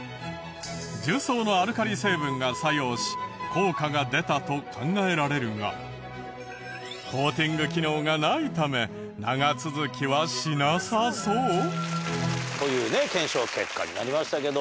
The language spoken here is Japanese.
重曹のアルカリ成分が作用し効果が出たと考えられるがコーティング機能がないため長続きはしなさそう？というね検証結果になりましたけど。